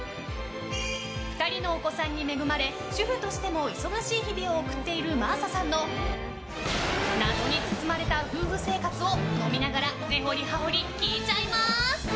２人のお子さんに恵まれ主婦としても、忙しい日々を送っている真麻さんの謎に包まれた夫婦生活を飲みながら根掘り葉掘り聞いちゃいます。